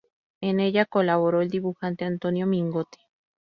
En ella colaboró el dibujante Antonio Mingote.